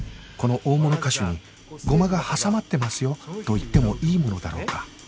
この大物歌手に「ゴマが挟まってますよ」と言ってもいいものだろうか